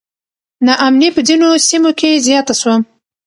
نا امني په ځینو سیمو کې زیاته سوه.